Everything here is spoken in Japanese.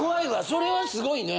それはすごいね。